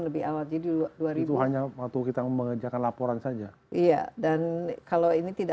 lebih awal jadi hanya waktu kita mengerjakan laporan saja iya dan kalau ini tidak